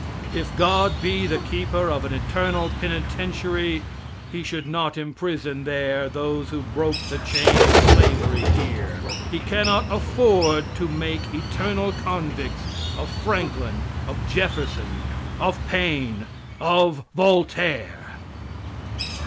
If God be the keeper of an eternal penitentiary, He should not imprison there those who broke the chain of slavery here. He cannot afford to make eternal convicts of Franklin, of Jefferson, of Paine, of Voltaire.